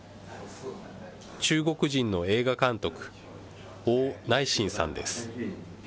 中国人の映画監督、王乃真さんです。